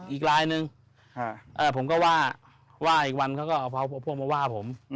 อีกลายนึงผมก็ว่าอีกวันเขาก็เอาพวกมาว่าผม